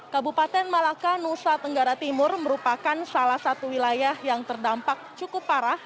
kabupaten malaka nusa tenggara timur merupakan salah satu wilayah yang terdampak cukup parah